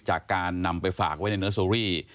จากการนำไปฝากไว้ในเนอร์เซอรี่